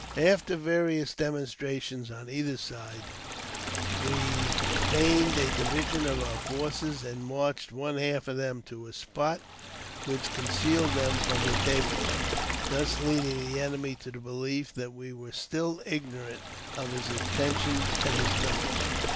After various demonstrations on either side, we feigned a division of our forces, and marched one half of them to a spot which concealed them from the tableland, thus leading the enemy to the belief that we were still ignorant of his inten tions and his numbers.